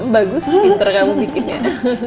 bagus pinter kamu bikinnya